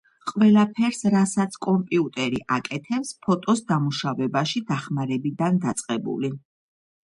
ყველაფერს რასაც კომპიუტერი აკეთებს, ფოტოს დამუშავებაში დახმარებიდან დაწყებული